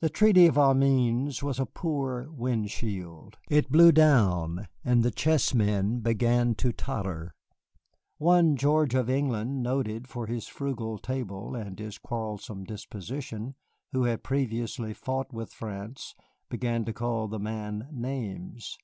The Treaty of Amiens was a poor wind shield. It blew down, and the chessmen began to totter. One George of England, noted for his frugal table and his quarrelsome disposition, who had previously fought with France, began to call the Man names.